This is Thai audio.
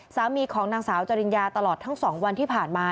สามีของนางสาวจริญญาตลอดทั้ง๒วันที่ผ่านมา